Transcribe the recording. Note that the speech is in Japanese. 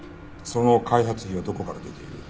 その開発費はどこから出ている？